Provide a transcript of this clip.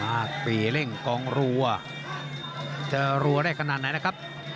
อ้าวเปรี่ยนเร่งกองรัวก็จะรัวได้ขนาดไหนนะครับ